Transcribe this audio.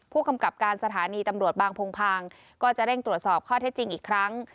ผู้กำกับการสถานีตำรวจบางพงพางก็จะเร่งตรวจสอบข้อเท็จจริงอีกครั้ง